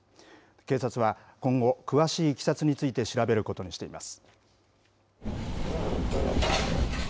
警察は今後、詳しいいきさつについて調べることにしています。